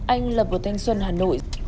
anh lập ở thanh xuân hà nội